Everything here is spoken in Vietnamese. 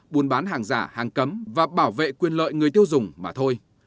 buôn bán hàng giả hàng cấm và bảo vệ quyền lợi người tiêu dùng mà thôi